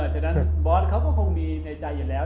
ฉะนั้นบอสเขาก็คงมีในใจอยู่แล้ว